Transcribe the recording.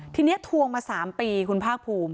ทีนี้ทวงมา๓ปีคุณภาคภูมิ